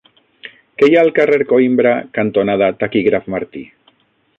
Què hi ha al carrer Coïmbra cantonada Taquígraf Martí?